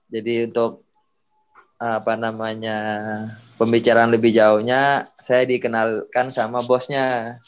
jadi untuk apa namanya pembicaraan lebih jauhnya saya dikenalkan sama bosnya